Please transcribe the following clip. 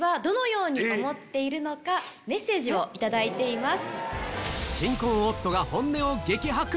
メッセージを頂いています。